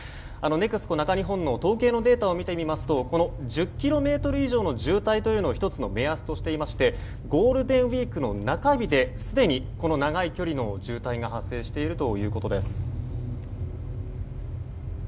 ＮＥＸＣＯ中日本の統計のデータを見てみますとこの１０ｋｍ以上の渋滞を１つの目安としていましてゴールデンウィークの中日ですでに、この長い距離の渋滞が発生しているということです。